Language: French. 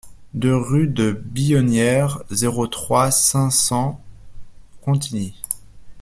deux rue de Billonnière, zéro trois, cinq cents Contigny